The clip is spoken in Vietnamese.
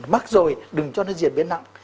mắc rồi đừng cho nó diễn biến nặng